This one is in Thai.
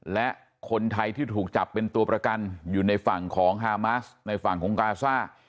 และคนไทยที่ถูกจับเป็นตัวประกันอยู่ในฝั่งของฮามาสในฝั่งของกาซ่า